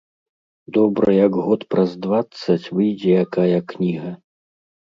Добра, як год праз дваццаць выйдзе якая кніга.